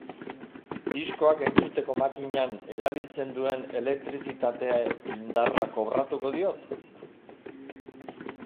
Diskoak entzuteko makinan erabiltzen duen elektrizitateindarra kobratuko diot?